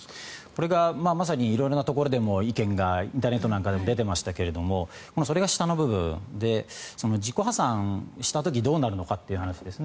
これがまさに色々なところでもインターネットなんかでも意見が出ていましたがそれが下の部分で自己破産した時にどうなるのかという話ですね。